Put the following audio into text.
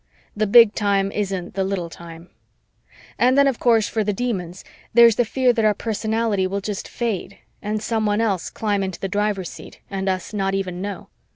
The Big Time isn't the little time. And then, for the Demons, there's the fear that our personality will just fade and someone else climb into the driver's seat and us not even know.